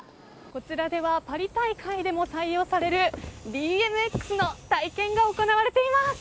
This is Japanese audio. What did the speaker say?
こちらではパリ大会でも採用されるＢＭＸの体験が行われています。